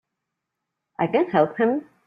I can help him!